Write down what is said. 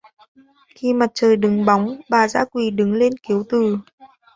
Khi mặt trời đứng bóng bà dã quỳ đứng lên kiếu từ